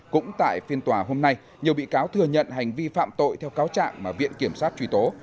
cũng tại phiên tòa hôm nay nhiều bị cáo thừa nhận hành vi phạm tội theo cáo trạng mà viện kiểm sát truy tố